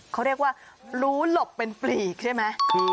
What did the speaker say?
เขาเรียกว่ารู้หลบเป็นปลีกใช่ไหม